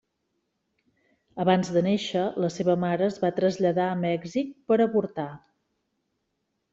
Abans de néixer, la seva mare es va traslladar a Mèxic per avortar.